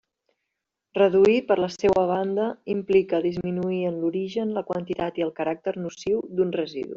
Reduir, per la seua banda, implica disminuir en l'origen la quantitat i el caràcter nociu d'un residu.